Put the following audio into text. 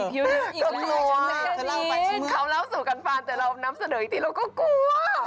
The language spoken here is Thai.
คือเขาเล่าสู่กันฟังแต่เรานำเสนออีกทีเราก็กลัว